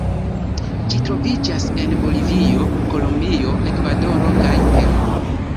Ĝi troviĝas en Bolivio, Kolombio, Ekvadoro kaj Peruo.